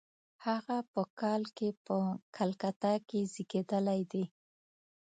هغه په کال کې په کلکته کې زېږېدلی دی.